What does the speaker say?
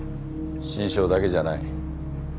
心証だけじゃない。